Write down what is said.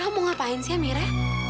kamu mau ngapain sih mira